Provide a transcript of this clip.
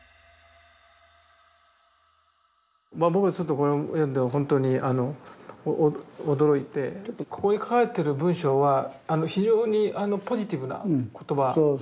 僕はちょっとこれを読んでほんとに驚いてここに書かれてる文章は非常にポジティブな言葉ですよね。